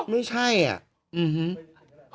ไม่ใช่อ่ะ